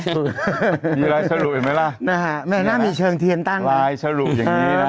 ใช่มีรายชะหรูเห็นไหมล่ะนะฮะแม่งหน้ามีเชิงเทียนตั้งรายชะหรูอย่างนี้น่ะ